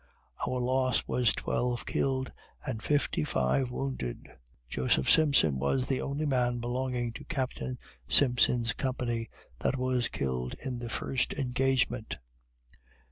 Our loss was twelve killed and fifty five wounded. Joseph Simpson was the only man belonging to Captain Simpson's company that was killed in the first engagement.